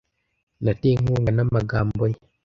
Natewe inkunga n'amagambo ye.